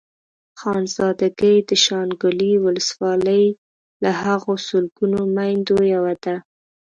خانزادګۍ د شانګلې ولسوالۍ له هغو سلګونو ميندو يوه ده.